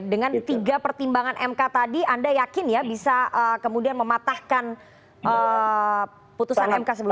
dengan tiga pertimbangan mk tadi anda yakin ya bisa kemudian mematahkan putusan mk